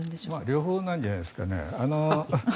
両方なんじゃないですかね。